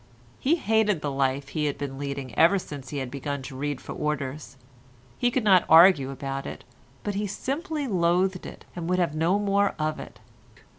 He hated the life he had been leading ever since he had begun to read for orders; he could not argue about it, but simply he loathed it and would have no more of it.